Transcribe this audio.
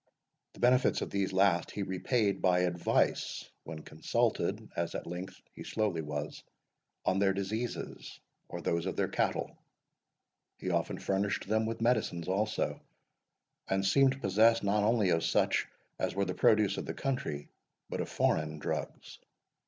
The benefits of these last he repaid by advice, when consulted (as at length he slowly was) on their diseases, or those of their cattle. He often furnished them with medicines also, and seemed possessed, not only of such as were the produce of the country, but of foreign drugs.